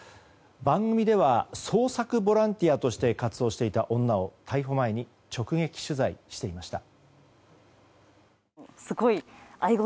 番組では捜索ボランティアとして活動していた女を逮捕前に直撃取材していました。